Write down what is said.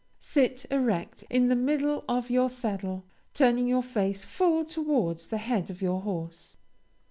Sit erect in the middle of your saddle, turning your face full towards the head of your horse.